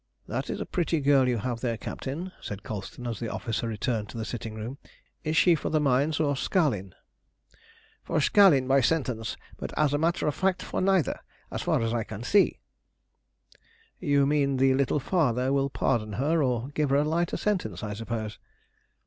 "That is a pretty girl you have there, captain," said Colston, as the officer returned to the sitting room. "Is she for the mines or Sakhalin?" "For Sakhalin by sentence, but as a matter of fact for neither, as far as I can see." "You mean that the Little Father will pardon her or give her a lighter sentence, I suppose."